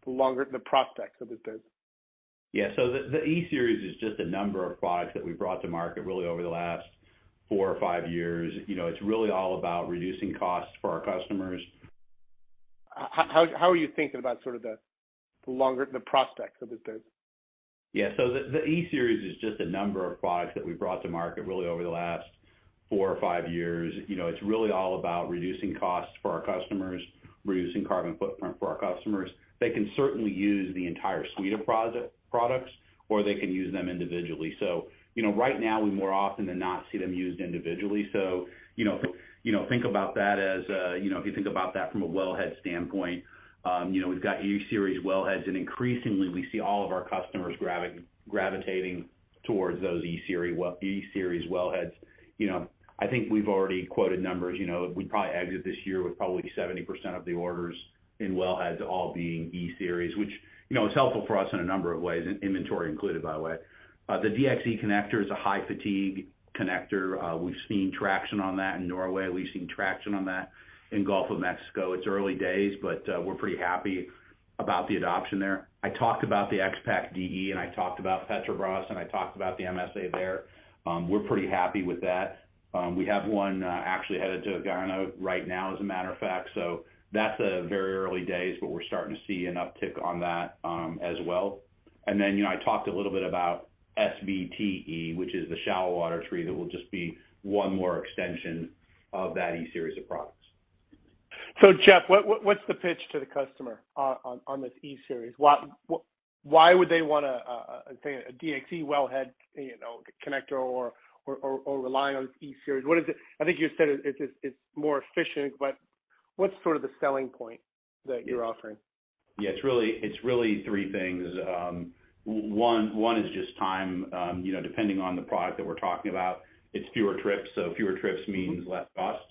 C: longer prospects of this business?
D: Yeah. The e-Series is just a number of products that we brought to market really over the last 4 or 5 years. You know, it's really all about reducing costs for our customers.
C: How are you thinking about sort of the longer prospects of this business?
D: Yeah. The e-Series is just a number of products that we brought to market really over the last four or five years. You know, it's really all about reducing costs for our customers, reducing carbon footprint for our customers. They can certainly use the entire suite of products, or they can use them individually. You know, right now, we more often than not see them used individually. You know, think about that as, you know, if you think about that from a wellhead standpoint, you know, we've got e-Series wellheads, and increasingly we see all of our customers gravitating towards those e-Series wellheads. You know, I think we've already quoted numbers. You know, we'd probably exit this year with probably 70% of the orders in wellheads all being e-Series, which you know is helpful for us in a number of ways, inventory included, by the way. The DXe connector is a high fatigue connector. We've seen traction on that in Norway. We've seen traction on that in Gulf of Mexico. It's early days, but we're pretty happy about the adoption there. I talked about the XPAK-De, and I talked about Petrobras, and I talked about the MSA there. We're pretty happy with that. We have one actually headed to Guyana right now as a matter of fact, so that's a very early days, but we're starting to see an uptick on that as well. You know, I talked a little bit about SBTe, which is the shallow water tree. That will just be one more extension of that e-Series of products.
C: Jeff, what's the pitch to the customer on this e-Series? Why would they wanna say a DXe wellhead, you know, connector or rely on e-Series? What is it? I think you said it's more efficient, but what's sort of the selling point that you're offering?
D: Yeah, it's really three things. One is just time. You know, depending on the product that we're talking about, it's fewer trips, so fewer trips means less cost.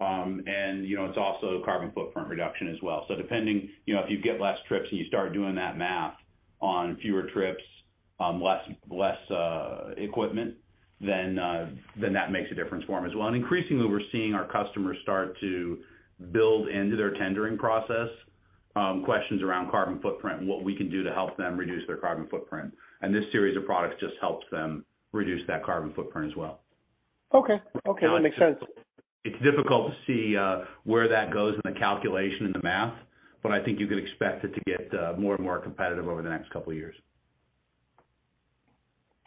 D: You know, it's also carbon footprint reduction as well. Depending, you know, if you get less trips and you start doing that math on fewer trips, on less equipment, then that makes a difference for them as well. Increasingly, we're seeing our customers start to build into their tendering process questions around carbon footprint and what we can do to help them reduce their carbon footprint. This series of products just helps them reduce that carbon footprint as well.
C: Okay. Okay, that makes sense.
D: It's difficult to see where that goes in the calculation in the math, but I think you can expect it to get more and more competitive over the next couple of years.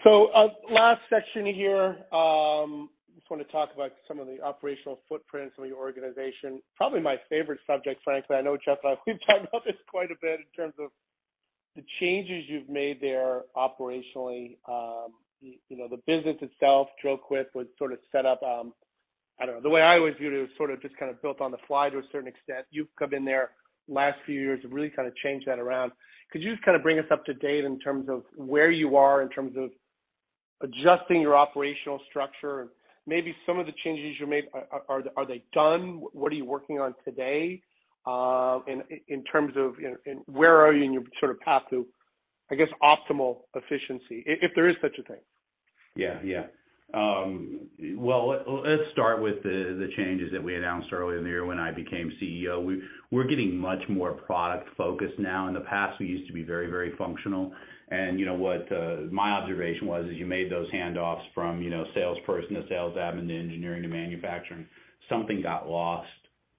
C: Last section here, just wanna talk about some of the operational footprint of your organization. Probably my favorite subject, frankly. I know, Jeff, we've talked about this quite a bit in terms of the changes you've made there operationally. You know, the business itself, Dril-Quip was sort of set up, I don't know, the way I always view it was sort of just kinda built on the fly to a certain extent. You've come in there last few years and really kinda changed that around. Could you just kinda bring us up to date in terms of where you are, in terms of adjusting your operational structure? Maybe some of the changes you made, are they done? What are you working on today, in terms of, you know, and where are you in your sort of path to, I guess, optimal efficiency, if there is such a thing?
D: Yeah. Yeah. Well, let's start with the changes that we announced earlier in the year when I became CEO. We're getting much more product focused now. In the past, we used to be very functional. You know what, my observation is you made those handoffs from, you know, salesperson to sales admin to engineering to manufacturing. Something got lost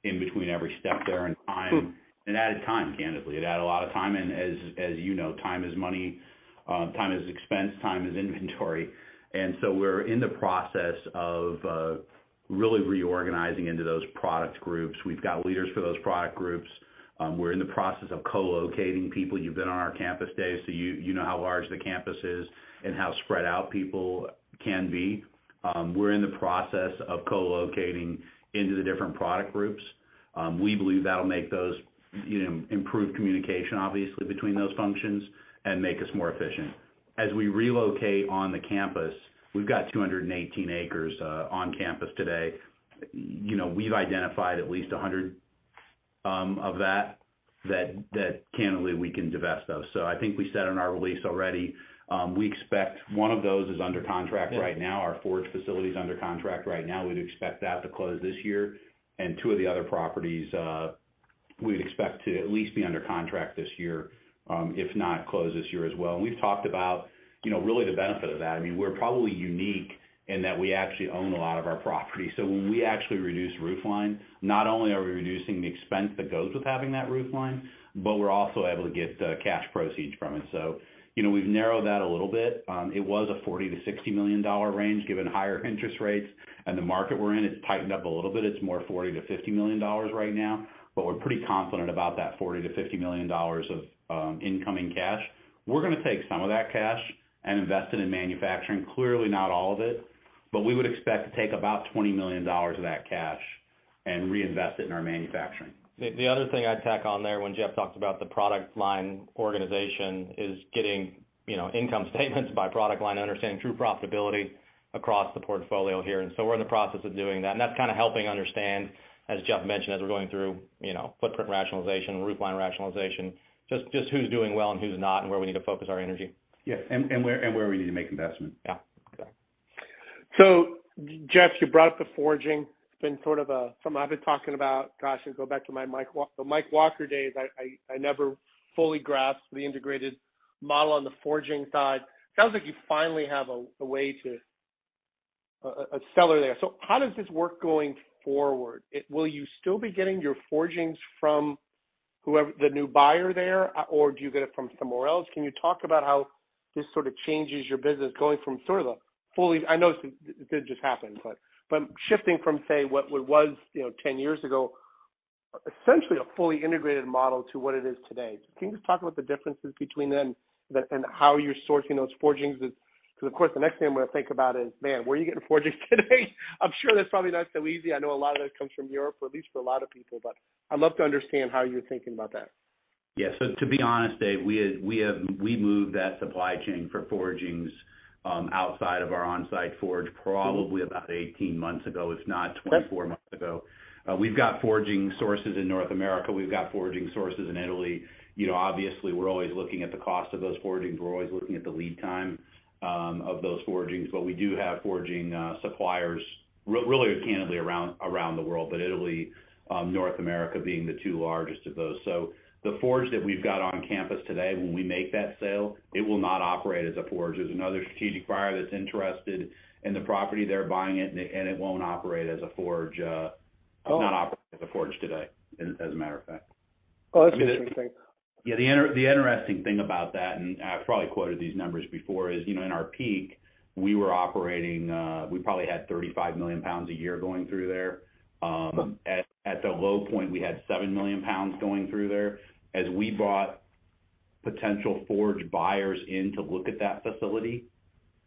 D: in between every step there and time. It added time, candidly. It added a lot of time. As you know, time is money, time is expense, time is inventory. We're in the process of really reorganizing into those product groups. We've got leaders for those product groups. We're in the process of co-locating people. You've been on our campus, Dave, so you know how large the campus is and how spread out people can be. We're in the process of co-locating into the different product groups. We believe that'll make those, you know, improve communication, obviously, between those functions and make us more efficient. As we relocate on the campus, we've got 218 acres on campus today. You know, we've identified at least 100 of that candidly we can divest those. I think we said in our release already, we expect one of those is under contract right now. Our forge facility is under contract right now. We'd expect that to close this year. Two of the other properties, we'd expect to at least be under contract this year, if not close this year as well. We've talked about, you know, really the benefit of that. I mean, we're probably unique in that we actually own a lot of our property. When we actually reduce roof line, not only are we reducing the expense that goes with having that roof line, but we're also able to get cash proceeds from it. You know, we've narrowed that a little bit. It was a $40 million-$60 million range. Given higher interest rates and the market we're in, it's tightened up a little bit. It's more $40 million-$50 million right now, but we're pretty confident about that $40 million-$50 million of incoming cash. We're gonna take some of that cash and invest it in manufacturing. Clearly not all of it, but we would expect to take about $20 million of that cash and reinvest it in our manufacturing.
E: The other thing I'd tack on there when Jeff talks about the product line organization is getting, you know, income statements by product line and understanding true profitability across the portfolio here. We're in the process of doing that, and that's kinda helping understand, as Jeff mentioned, as we're going through, you know, footprint rationalization, product line rationalization, just who's doing well and who's not, and where we need to focus our energy.
D: Where we need to make investment.
E: Yeah.
C: Jeff, you brought up the forging. It's been sort of a something I've been talking about. Gosh, I go back to my Mike Walker days. I never fully grasped the integrated model on the forging side. Sounds like you finally have a way to a seller there. How does this work going forward? Will you still be getting your forgings from whoever the new buyer there, or do you get it from somewhere else? Can you talk about how this sort of changes your business going from sort of the fully integrated model? I know it did just happen, but shifting from, say, what it was, you know, 10 years ago, essentially a fully integrated model to what it is today. Can you just talk about the differences between then and how you're sourcing those forgings? 'Cause of course, the next thing I'm gonna think about is, man, where are you getting forgings today? I'm sure that's probably not so easy. I know a lot of that comes from Europe or at least for a lot of people, but I'd love to understand how you're thinking about that.
D: Yeah. To be honest, Dave, we moved that supply chain for forgings outside of our on-site forge probably about 18 months ago, if not 24 months ago. We've got forging sources in North America. We've got forging sources in Italy. You know, obviously, we're always looking at the cost of those forgings. We're always looking at the lead time of those forgings. But we do have forging suppliers really candidly around the world, but Italy, North America being the two largest of those. The forge that we've got on campus today, when we make that sale, it will not operate as a forge. There's another strategic buyer that's interested in the property. They're buying it, and it won't operate as a forge. It's not operating as a forge today, as a matter of fact.
C: Oh, that's interesting.
D: Yeah. The interesting thing about that, and I've probably quoted these numbers before, is, you know, in our peak, we were operating, we probably had 35 million pounds a year going through there. At the low point, we had 7 million pounds going through there. As we brought potential forge buyers in to look at that facility,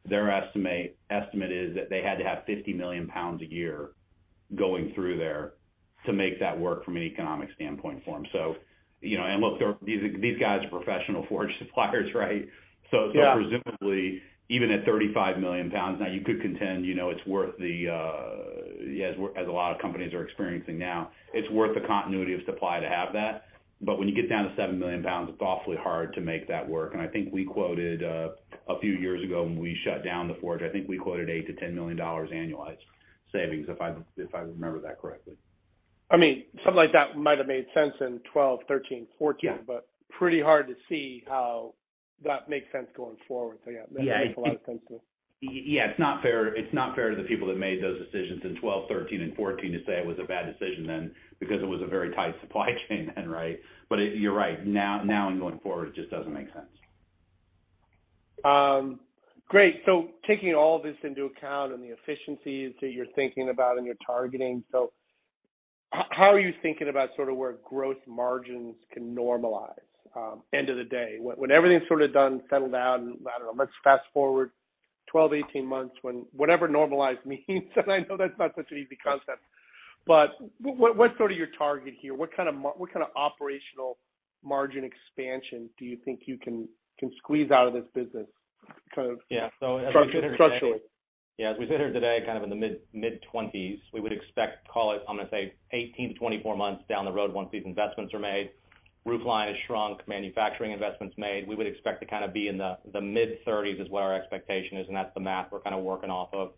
D: their estimate is that they had to have 50 million pounds a year going through there to make that work from an economic standpoint for them. You know, and look, these guys are professional forge suppliers, right?
C: Yeah.
D: Presumably even at 35 million pounds, now you could contend, you know, it's worth, yes, as a lot of companies are experiencing now, it's worth the continuity of supply to have that. When you get down to 7 million pounds, it's awfully hard to make that work. I think we quoted a few years ago when we shut down the forge, I think we quoted $8 million-$10 million annualized savings if I remember that correctly.
C: I mean, something like that might have made in 2012, 2013, 2014.
D: Yeah.
C: Pretty hard to see how that makes sense going forward. Yeah, that makes a lot of sense.
D: Yeah. It's not fair, it's not fair to the people that made those decisions in 2012, 2013, and 2014 to say it was a bad decision then because it was a very tight supply chain then, right? You're right. Now, now and going forward, it just doesn't make sense.
C: Great. Taking all this into account and the efficiencies that you're thinking about and you're targeting, how are you thinking about sort of where growth margins can normalize, end of the day? When everything's sort of done, settled down and I don't know, let's fast-forward 12-18 months when whatever normalized means, and I know that's not such an easy concept, but what's sort of your target here? What kind of operational margin expansion do you think you can squeeze out of this business kind of-
D: Yeah.
C: Structurally?
E: Yeah. As we sit here today, kind of in the mid-20s, we would expect, call it, I'm gonna say 18-24 months down the road, once these investments are made, roof line is shrunk, manufacturing investments made, we would expect to kind of be in the mid-30s is what our expectation is, and that's the math we're kind of working off of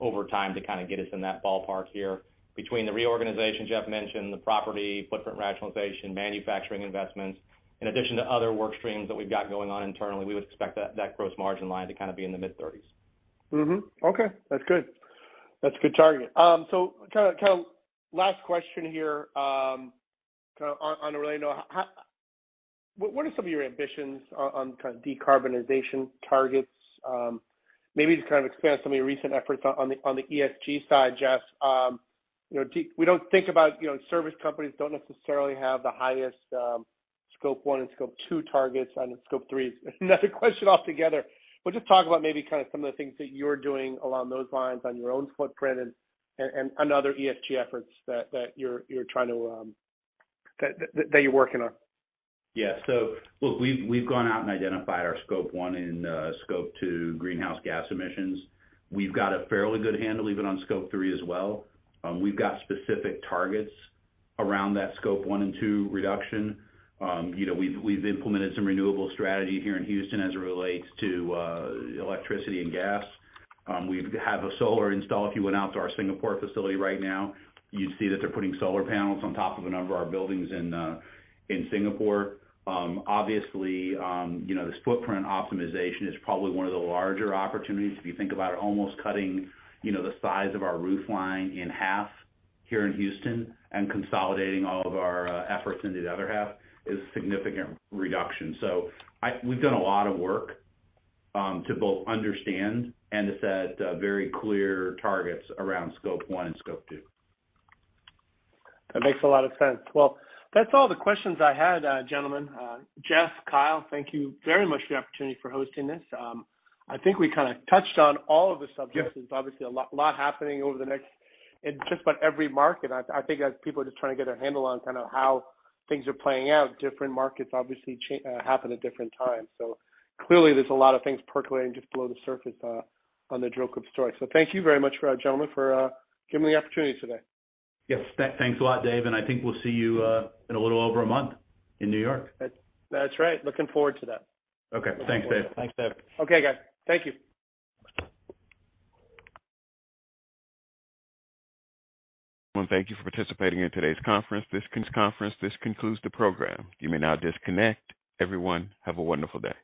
E: over time to kind of get us in that ballpark here. Between the reorganization Jeff mentioned, the property, footprint rationalization, manufacturing investments, in addition to other work streams that we've got going on internally, we would expect that gross margin line to kind of be in the mid-30s%.
C: Okay, that's good. That's a good target. So kinda last question here, kinda on a related note. What are some of your ambitions on kind of decarbonization targets? Maybe just kind of expand some of your recent efforts on the ESG side, Jeff. You know, we don't think about, you know, service companies don't necessarily have the highest Scope 1 and Scope 2 targets, and Scope 3 is another question altogether. But just talk about maybe kind of some of the things that you're doing along those lines on your own footprint and other ESG efforts that you're trying to, that you're working on.
D: Yeah. Look, we've gone out and identified our Scope 1 and Scope 2 greenhouse gas emissions. We've got a fairly good handle even on Scope 3 as well. We've got specific targets around that Scope 1 and 2 reduction. You know, we've implemented some renewable strategy here in Houston as it relates to electricity and gas. We have a solar install. If you went out to our Singapore facility right now, you'd see that they're putting solar panels on top of a number of our buildings in Singapore. Obviously, you know, this footprint optimization is probably one of the larger opportunities. If you think about it, almost cutting, you know, the size of our roof line in half here in Houston and consolidating all of our efforts into the other half is a significant reduction. We've done a lot of work to both understand and to set very clear targets around Scope 1 and Scope 2.
C: That makes a lot of sense. Well, that's all the questions I had, gentlemen. Jeff, Kyle, thank you very much for the opportunity for hosting this. I think we kinda touched on all of the subjects.
D: Yeah.
C: There's obviously a lot happening over the next in just about every market. I think as people are just trying to get their handle on kind of how things are playing out, different markets obviously happen at different times. Clearly there's a lot of things percolating just below the surface on the Dril-Quip story. Thank you very much for our gentlemen for giving me the opportunity today.
D: Yes. Thanks a lot, Dave, and I think we'll see you in a little over a month in New York.
C: That's right. Looking forward to that.
D: Okay. Thanks, Dave.
C: Thanks, Dave. Okay, guys. Thank you.
A: Thank you for participating in today's conference. This concludes the program. You may now disconnect. Everyone, have a wonderful day.